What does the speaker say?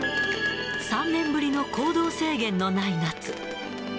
３年ぶりの行動制限のない夏。